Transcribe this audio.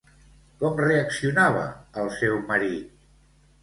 Com reaccionava el seu marit?